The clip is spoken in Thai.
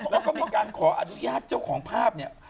แล้วก็มีการขออนุญาตเจ้าของภาพเนี่ย